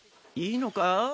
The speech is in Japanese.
いいのか？